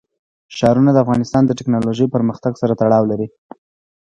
ښارونه د افغانستان د تکنالوژۍ پرمختګ سره تړاو لري.